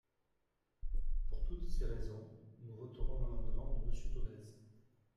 Pour toutes ces raisons, nous voterons l’amendement de Monsieur Dolez.